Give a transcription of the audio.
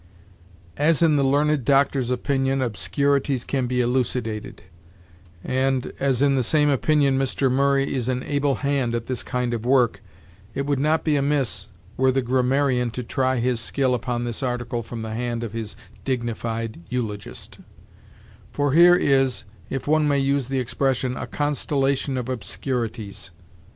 "As in the learned Doctor's opinion obscurities can be elucidated, and as in the same opinion Mr. Murray is an able hand at this kind of work, it would not be amiss were the grammarian to try his skill upon this article from the hand of his dignified eulogist; for here is, if one may use the expression, a constellation of obscurities.